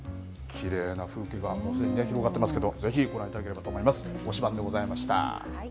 はい、きれいな風景が広がっていますけどぜひ、ご覧いただければと思います推し